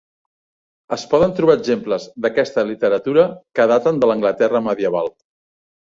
Es poden trobar exemples d'aquesta literatura que daten de l'Anglaterra medieval.